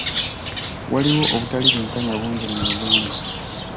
Waliwo obutali bwenkanya bungi mu Uganda.